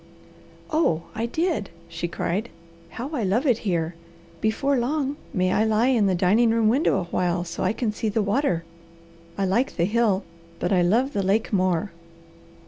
"Oh I did!" she cried. "How I love it here! Before long may I lie in the dining room window a while so I can see the water. I like the hill, but I love the lake more."